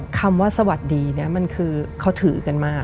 คำว่าสวัสดีเนี่ยมันคือเขาถือกันมาก